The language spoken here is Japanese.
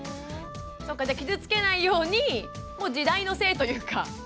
そっかじゃあ傷つけないように時代のせいというか。